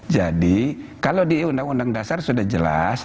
jadi kalau di undang undang dasar sudah jelas